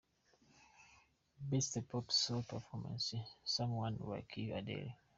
Best Pop Solo Performance – Someone Like You, Adele.